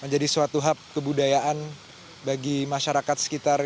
menjadi suatu hub kebudayaan bagi masyarakat sekitar